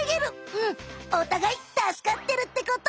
うんおたがいたすかってるってこと！